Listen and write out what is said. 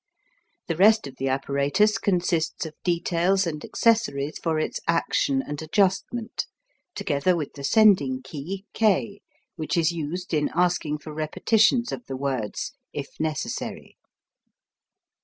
The rest of the apparatus consists of details and accessories for its action and adjustment, together with the sending key K, which is used in asking for repetitions of the words, if necessary.